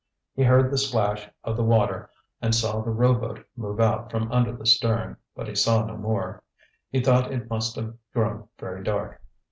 He heard the splash of the water, and saw the rowboat move out from under the stern, but he saw no more. He thought it must have grown very dark.